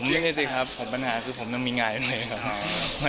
ไม่ได้จริงครับผมปัญหาคือผมต้องมีงานเลยครับ